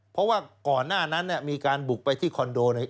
เพราะว่าก่อนหน้านั้นมีการบุกไปที่คอนโด